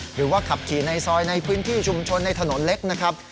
หรือว่าขับขี่ในซอยในพื้นที่ชุมชนในถนนเล็กนะครับ